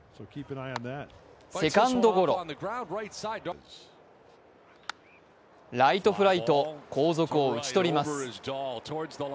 セカンドゴロ、ライトフライと後続を打ち取ります。